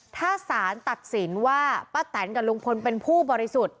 ถ้าสารตัดสินว่าป้าแตนกับลุงพลเป็นผู้บริสุทธิ์